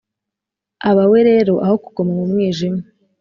Abawe rero, aho kuguma mu mwijima,